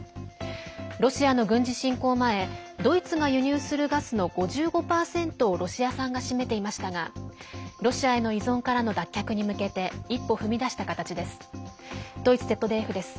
ロシアの軍事侵攻前ドイツが輸入するガスの５５％をロシア産が占めていましたがロシアへの依存からの脱却に向けて一歩踏み出した形です。